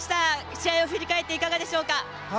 試合を振り返っていかがでしょうか？